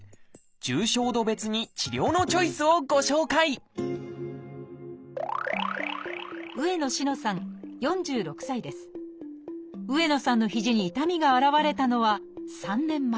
重症度別に治療のチョイスをご紹介上野さんの肘に痛みが現れたのは３年前。